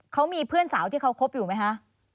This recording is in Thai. เขามีเพื่อนสาวที่เขาคบอยู่ไหมคะ